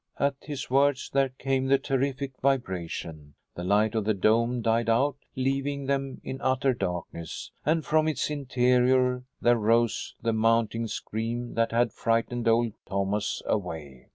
At his words there came the terrific vibration. The light of the dome died out, leaving them in utter darkness, and from its interior there rose the mounting scream that had frightened old Thomas away.